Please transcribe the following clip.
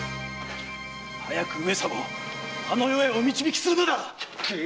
早く上様をあの世へお導きするのだ！